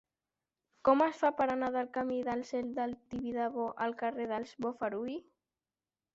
Com es fa per anar del camí del Cel del Tibidabo al carrer dels Bofarull?